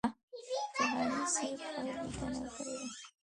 جهاني سیب ښه لیکنه کړې ده.